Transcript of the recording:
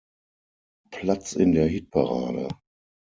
Platz in der Hitparade.